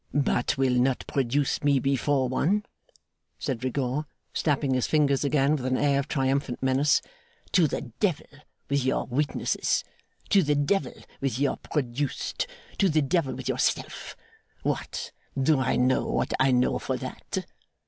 'But will not produce me before one,' said Rigaud, snapping his fingers again with an air of triumphant menace. 'To the Devil with your witnesses! To the Devil with your produced! To the Devil with yourself! What! Do I know what I know, for that?